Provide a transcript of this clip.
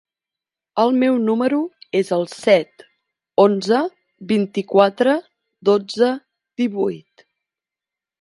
El meu número es el set, onze, vint-i-quatre, dotze, divuit.